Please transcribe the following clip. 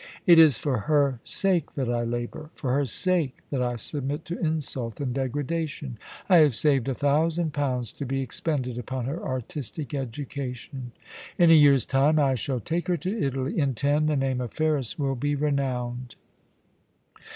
It is for her sake that I labour ; for her sake that I submit to insult and degradation. I have saved a thousand pounds to be ex pended upon her artistic education. In a yearns time I shall take her to Italy ; in ten, the name of Ferris will be renowned.